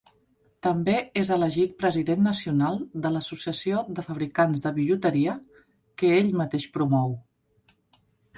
També és elegit president nacional de l'Associació de Fabricants de Bijuteria, que ell mateix promou.